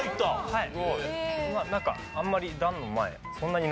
はい。